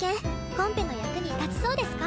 コンペの役に立ちそうですか？